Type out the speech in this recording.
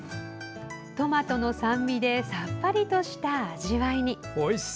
トマトの酸味でさっぱりとした味わいに。